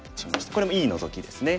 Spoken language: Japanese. これもいいノゾキですね。